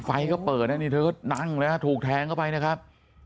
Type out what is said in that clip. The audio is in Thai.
ไฟก็เปิดนะนี่เธอก็นั่งเลยฮะถูกแทงเข้าไปนะครับ